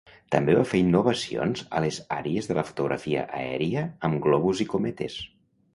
També va fer innovacions a les àrees de la fotografia aèria amb globus i cometes.